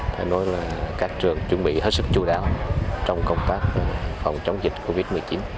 phải nói là các trường chuẩn bị hết sức chú đạo trong công tác phòng chống dịch covid một mươi chín